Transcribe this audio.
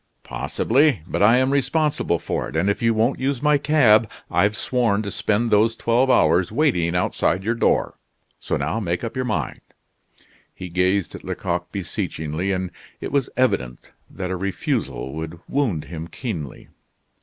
"Possibly, but I am responsible for it, and if you won't use my cab, I've sworn to spend those twelve hours waiting outside your door. So now make up your mind." He gazed at Lecoq beseechingly, and it was evident that a refusal would wound him keenly.